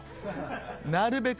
なるべく。